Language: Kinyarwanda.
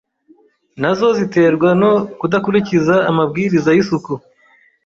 nazo ziterwa no kudakurikiza amabwiriza y’isuku